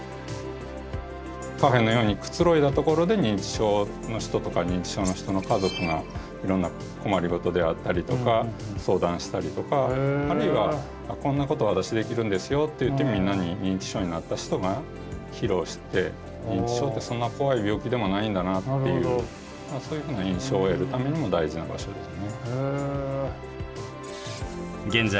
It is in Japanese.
カフェのようにくつろいだところで認知症の人とか認知症の人の家族がいろんな困りごとであったりとか相談したりとかあるいは「こんなこと私できるんですよ」っていってみんなに認知症になった人が披露して認知症ってそんな怖い病気でもないんだなっていうそういうふうな印象を得るためにも大事な場所ですね。